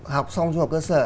học xong trung học cơ sở